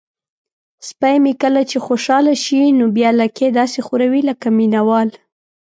سپی مې کله چې خوشحاله شي نو بیا لکۍ داسې ښوروي لکه مینه وال.